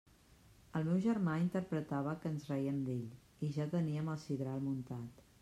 El meu germà interpretava que ens rèiem d'ell, i ja teníem el sidral muntat.